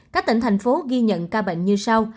các tỉnh thành phố ghi nhận ca bệnh như sau